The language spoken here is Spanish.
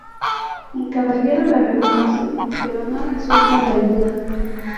El Caballero la reconoce, pero no resulta de ayuda.